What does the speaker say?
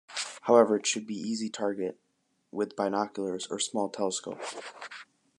However, it should be easy target with binoculars or small telescope.